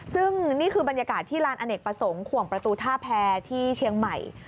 ซึ่งนี่คือบรรยากาศที่ลานอเนกประสงค์ขวงประตูท่าแพรที่เชียงใหม่